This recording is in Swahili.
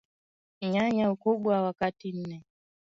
Nyanya Ukubwa wa kati nne